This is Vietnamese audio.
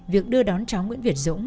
việc đưa đón cháu nguyễn việt dũng